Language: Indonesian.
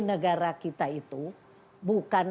negara kita itu bukan